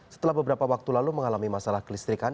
setelah beberapa waktu lalu mengalami masalah kelistrikan